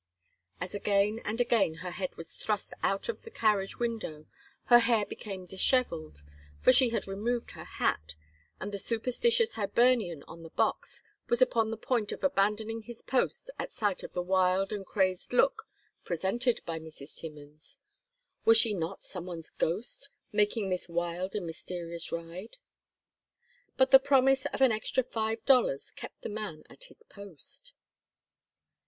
As again and again her head was thrust out of the carriage window her hair became disheveled, for she had removed her hat, and the superstitious Hibernian on the box was upon the point of abandoning his post at sight of the wild and crazed look presented by Mrs. Timmins. Was she not some one's ghost, making this wild and mysterious ride? But the promise of an extra five dollars kept the man at his post.